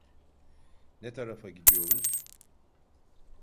Ne tarafa gidiyoruz?